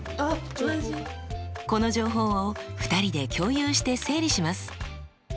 この情報を２人で共有して整理します。